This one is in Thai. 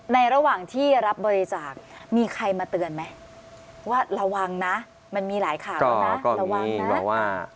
ในระหว่างที่รับบริจาคมีใครมาเตือนไหมว่าระวังนะมันมีหลายข่าวนะ